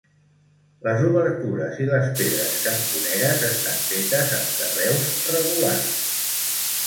Les obertures i les pedres cantoneres estan fetes amb carreus regulars.